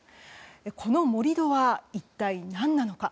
この盛り土は一体何なのか。